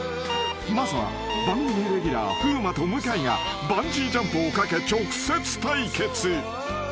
［まずは番組レギュラー風磨と向井がバンジージャンプをかけ直接対決］